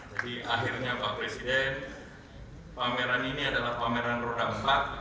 jadi akhirnya pak presiden pameran ini adalah pameran rona empat